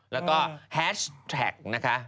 แล้วก็แฮชแท็กนะคะ